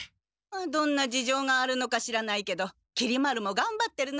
どんな事情があるのか知らないけどきり丸もがんばってるのね。